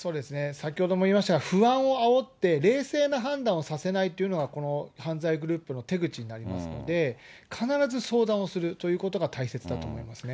先ほども言いましたが、不安をあおって、冷静な判断をさせないというのが、この犯罪グループの手口になってますので、必ず相談をするということが大切だと思いますね。